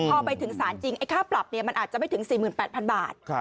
พอไปถึงศาลจริงไอ้ค่าปรับมันอาจจะไม่ถึง๔๘๐๐๐บาท